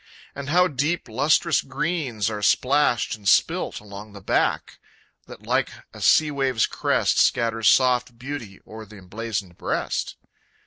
And how deep, lustrous greens are splashed and spilt Along the back, that like a sea wave's crest Scatters soft beauty o'er th' emblazoned breast!